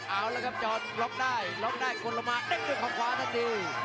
เอาละครับจอร์นล็อคได้ล็อคได้กดลงมาด้วยข้างขวาท่านดี